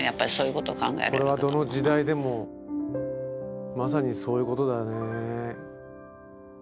これはどの時代でもまさにそういうことだよね。